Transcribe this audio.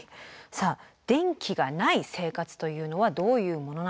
さあ電気がない生活というのはどういうものなのか。